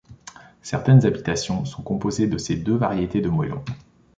Certaines habitations sont composées de ces deux variétés de moellons.